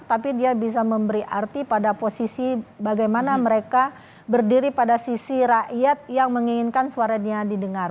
tapi dia bisa memberi arti pada posisi bagaimana mereka berdiri pada sisi rakyat yang menginginkan suara dia didengar